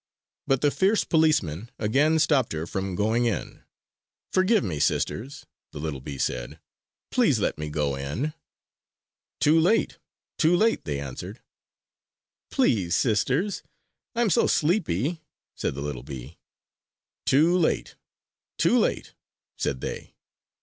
But the fierce policemen again stopped her from going in. "Forgive me, sisters," the little bee said. "Please, let me go in!" "Too late! Too late!" they answered. "Please, sisters, I am so sleepy!" said the little bee. "Too late! Too late!" said they.